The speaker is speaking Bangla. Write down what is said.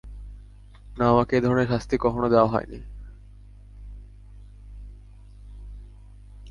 না, আমাকে এ-ধরনের শাস্তি কখনো দেওয়া হয় নি।